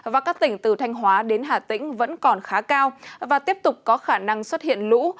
và các tỉnh từ thanh hóa đến hà tĩnh vẫn còn khá cao và tiếp tục có khả năng xuất hiện lũ